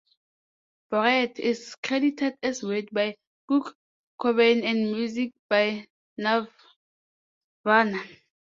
"Breed" is credited as words by Kurt Cobain and music by Nirvana.